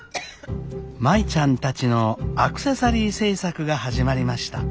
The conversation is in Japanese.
舞ちゃんたちのアクセサリー製作が始まりました。